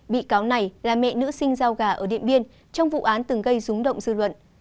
bị cáo này là mẹ nữ sinh giao gà ở điện biên trong vụ án từng gây rúng động dư luận